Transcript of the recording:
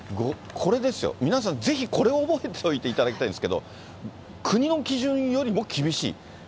これですよ、皆さん、ぜひこれを覚えておいていただきたいんですけど、国の基準よりも厳しい。